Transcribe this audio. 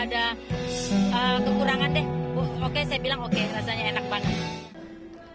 oke saya bilang oke rasanya enak banget